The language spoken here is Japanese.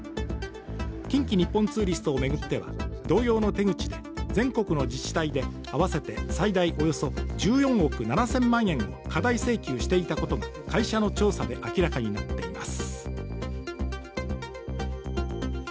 近畿日本ツーリストを巡っては、同様の手口で全国の自治体で合わせて最大およそ１４億７０００万円を過大請求していたことが会社の調査で明らかになっています。